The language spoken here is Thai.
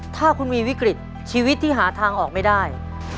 ถ้าคุณมีวิกฤตชีวิตที่หาทางออกไม่ได้